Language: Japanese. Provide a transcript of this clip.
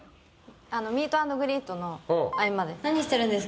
ミート＆グリートの合間です。